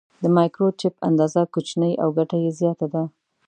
د مایکروچپ اندازه کوچنۍ او ګټه یې زیاته ده.